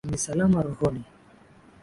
Ni Salama Rohoni